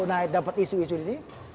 nah dapet isu isu disini